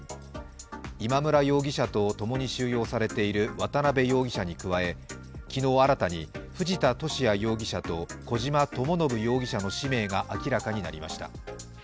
今村容疑者と共に収容されている渡辺容疑者に加え昨日新たに、藤田聖也容疑者と小島智信容疑者の氏名が明らかになりました。